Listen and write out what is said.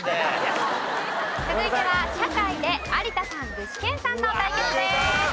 続いては社会で有田さん具志堅さんの対決です。